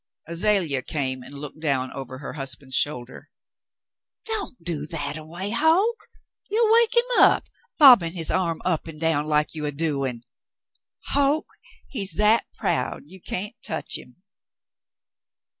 Azalea came and looked down over her husband's shoul der. "Don't do that a way, Hoke. You'll wake him up, bobbin' his arm up an' down like you a doin'. Hoke, he's that proud, you can't touch him."